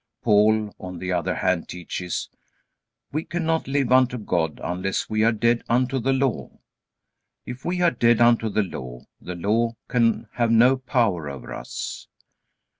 Paul, on the other hand, teaches, "We cannot live unto God unless we are dead unto the Law." If we are dead unto the Law, the Law can have no power over us.